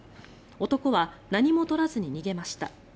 男は何も取らずに逃げました。